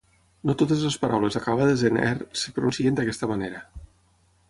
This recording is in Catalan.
No totes les paraules acabades en "er" es pronuncien d'aquesta manera.